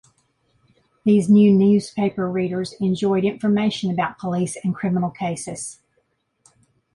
These new newspaper readers enjoyed information about police and criminal cases.